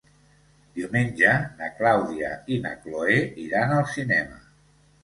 Diumenge na Clàudia i na Cloè iran al cinema.